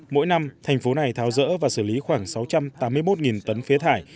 mỗi năm thành phố này tháo rỡ và xử lý khoảng sáu trăm tám mươi một tấn phế thải